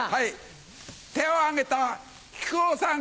手を挙げた木久扇さん